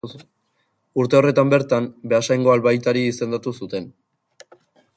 Urte horretan bertan, Beasaingo albaitari izendatu zuten.